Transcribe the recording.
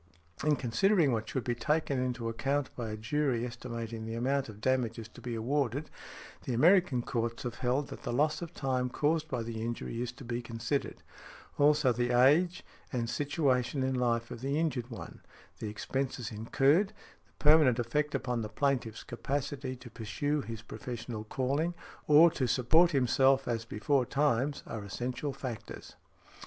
In considering what should be taken into account by a jury estimating the amount of damages to be awarded, the American courts have held, that the loss of time caused by the injury is to be considered . Also, the age and |79| situation in life of the injured one, the expenses incurred, the permanent effect upon the plaintiff's capacity to pursue his professional calling, or to support himself as beforetimes, are essential factors .